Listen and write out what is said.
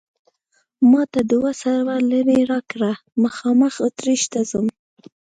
ما ته دوه سوه لیرې راکړه، مخامخ اتریش ته ځم.